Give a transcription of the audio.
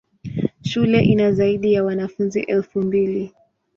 Shule ina zaidi ya wanafunzi elfu mbili.